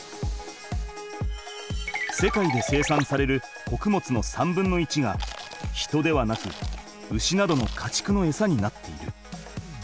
世界で生産されるこくもつの３分の１が人ではなく牛などのかちくのエサになっている。